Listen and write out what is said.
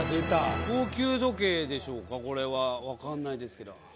高級時計でしょうかこれは分かんないですけど。